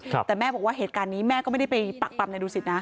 แต่แม่บอกว่าเหตุการณ์นี้แม่ก็ไม่ได้ไปปักปรำในดูสิตนะ